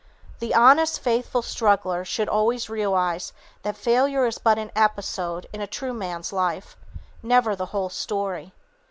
The honest, faithful struggler should always realize that failure is but an episode in a true man's life, never the whole story.